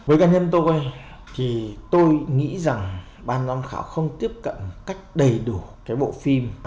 với cá nhân tôi tôi nghĩ rằng ban giám khảo không tiếp cận cách đầy đủ cái bộ phim